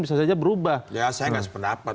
bisa saja berubah ya saya nggak sependapat